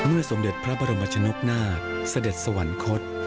เมื่อสมเด็จพระบรมชนกณะสเด็จสวรรคศ